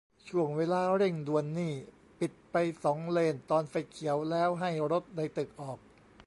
ช่วงเวลาเร่งด่วนนี่ปิดไปสองเลนตอนไฟเขียวแล้วให้รถในตึกออก